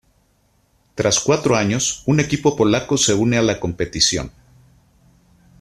Tras cuatro años, un equipo polaco se une a la competición.